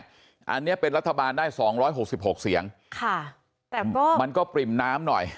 อันนี้เป็นรัฐบาลได้สองร้อยหกสิบหกเสียงค่ะแต่ก็มันก็ปริ่มน้ำหน่อย